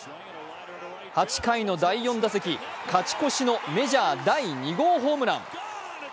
８回の第４打席、勝ち越しのメジャー第２号ホームラン。